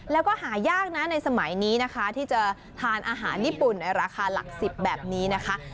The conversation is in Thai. แล้วก็หายากนะในสมัยนี้นะคะที่จะทานอาหารญี่ปุ่นในราคาหลัก๑๐แบบนี้นะคะ